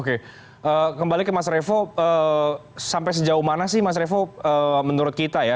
oke kembali ke mas revo sampai sejauh mana sih mas revo menurut kita ya